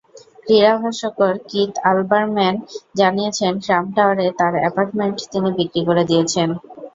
ক্রীড়া ভাষ্যকার Keith Olbermann জানিয়েছেন, ট্রাম্প টাওয়ারে তাঁর অ্যাপার্টমেন্ট তিনি বিক্রি করে দিয়েছেন।